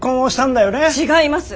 違います。